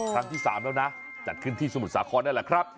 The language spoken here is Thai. ครั้งที่๓แล้วนะจัดขึ้นที่สมุทรสาครนั่นแหละครับ